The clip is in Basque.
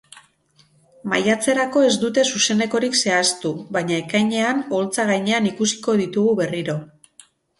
Maiatzerako ez dute zuzenekorik zehaztu, baina ekainean oholtza gainean ikusiko ditugu berriro.